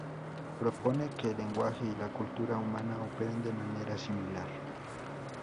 Propone que el lenguaje y la cultura humana operan de manera similar.